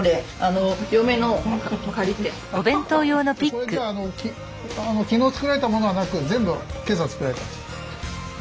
これじゃあ昨日作られたものはなく全部今朝作られたんですか？